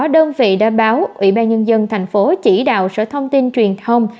đơn vị đã báo ủy ban nhân dân thành phố chỉ đạo sở thông tin truyền thông